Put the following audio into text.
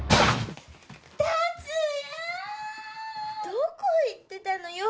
どこへ行ってたのよ。